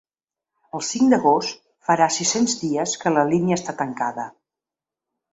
El cinc d’agost farà sis-cents dies que la línia està tancada.